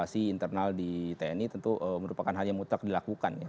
karena itu juga internal di tni tentu merupakan hal yang mutlak dilakukan ya